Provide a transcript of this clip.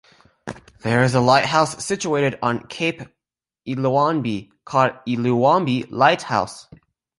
There is a lighthouse situated on Cape Eluanbi, called Eluanbi Lighthouse.